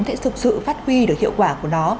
sẽ thực sự phát huy được hiệu quả của nó